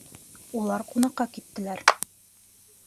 — Улар ҡунаҡҡа киттеләр.